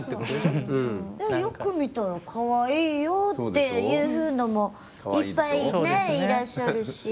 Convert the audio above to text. よく見たらかわいいよっていうのもいっぱいね、いらっしゃるし。